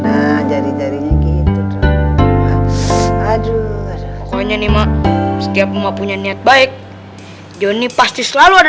nah jadi jadinya gitu aduh pokoknya nih maksa rumah punya niat baik johnny pasti selalu ada